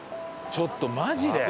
ちょっとマジで？